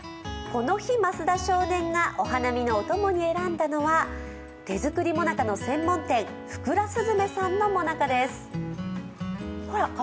この日、増田少年がお花見のお供に選んだのは、手作りもなかの専門店福来すずめさんのもなかです。